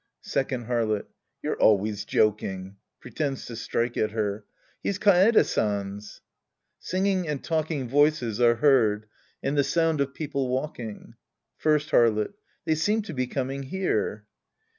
Second Harlot. You're always joking. {Pretends to strike at her.) He's Kaede San's. {Singing and talking voices are heard, and the sound of people walking.') First Harlot. They seem to be coming here.